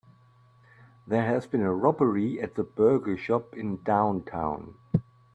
There has been a robbery at the burger shop in downtown.